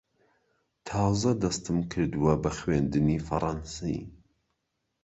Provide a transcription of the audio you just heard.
تازە دەستم کردووە بە خوێندنی فەڕەنسی.